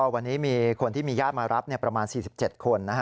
วันนี้มีคนที่มีญาติมารับประมาณ๔๗คน